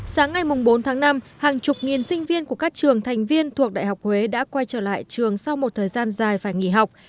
sáng ngày bốn tháng năm hàng chục nghìn sinh viên của các trường thành viên thuộc đại học huế đã quay trở lại trường sau một thời gian dài phải nghỉ học